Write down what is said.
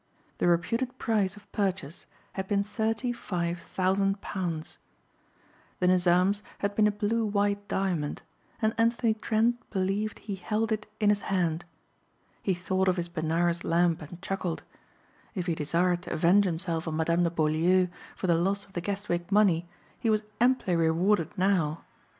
The reputed price of purchase had been thirty five thousand pounds. The Nizam's had been a blue white diamond and Anthony Trent believed he held it in his hand. He thought of his Benares lamp and chuckled. If he desired to avenge himself on Madame de Beaulieu for the loss of the Guestwick money he was amply rewarded now.